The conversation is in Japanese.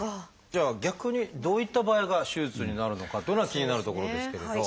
じゃあ逆にどういった場合が手術になるのかっていうのが気になるところですけれど。